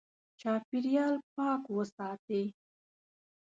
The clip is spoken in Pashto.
چاپېریال پاک وساتې.